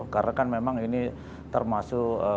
karena kan memang ini termasuk